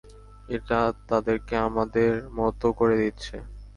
এটা তাদেরকে আমাদের মতো করে দিচ্ছে।